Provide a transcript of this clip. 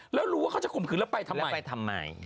แล้วรู้ว่าเขายังหาไปทำไมแล้วไปทำไม